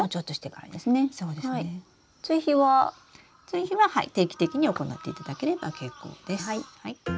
追肥は定期的に行っていただければ結構です。